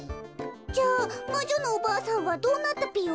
じゃあまじょのおばあさんはどうなったぴよ？